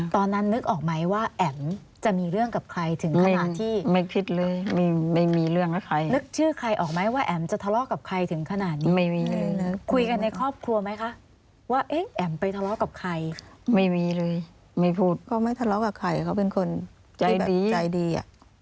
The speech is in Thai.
ตอนนั้นนึกออกไหมว่าแอ๋มจะมีเรื่องกับใครถึงขนาดที่